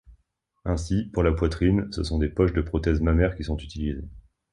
Ainsi pour la poitrine, ce sont des poches de prothèses mammaires qui sont utilisées.